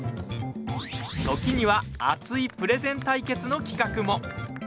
時には熱いプレゼン対決の企画も。